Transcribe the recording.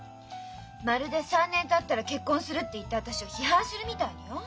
まるで「３年たったら結婚する」って言った私を批判するみたいによ。